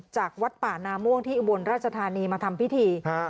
จากวัดป่านาม่วงที่อุบลราชธานีมาทำพิธี